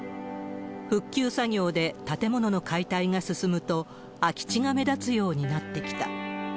復旧作業で建物の解体が進むと、空き地が目立つようになってきた。